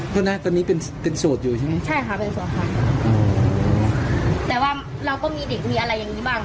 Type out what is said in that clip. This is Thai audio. แต่ว่าเราก็มีเด็กมีอะไรอย่างนี้บ้างค่ะ